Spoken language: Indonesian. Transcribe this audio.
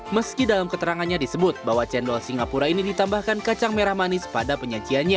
meski dalam keterangannya disebut bahwa cendol singapura ini ditambahkan kacang merah manis pada penyajiannya